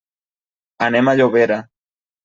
Anem a Llobera.